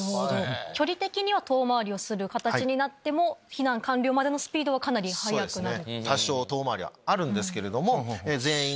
距離的には遠回りをする形になっても避難完了までのスピードはかなり速くなる。